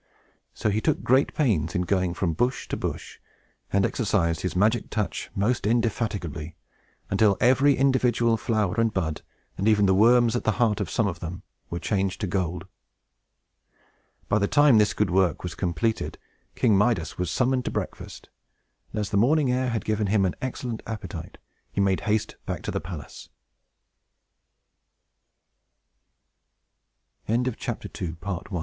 So he took great pains in going from bush to bush, and exercised his magic touch most indefatigably; until every individual flower and bud, and even the worms at the heart of some of them, were changed to gold. By the time this good work was completed, King Midas was summoned to breakfast; and as the morning air had given him an excellent appetite, he made haste back to the palace. What was usually a king's breakfast